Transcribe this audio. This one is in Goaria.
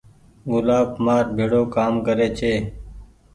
گلآب مآر ڀيڙو ڪآم ڪري ڇي۔